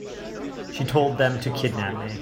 She told them to kidnap me.